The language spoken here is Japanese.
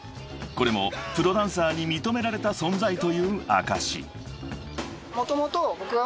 ［これもプロダンサーに認められた存在という証し］